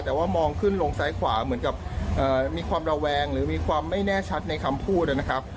แต่ว่ามองขึ้นลงซ้ายขวาเหมือนกับมีความระแวงหรือมีความไม่แน่ชัดในคำพูดนะครับ